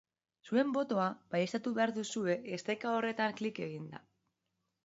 Zuen botoa baieztatu behar duzue esteka horretan klik eginda.